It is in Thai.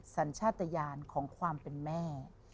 สัญชาติยานของความเป็นแม่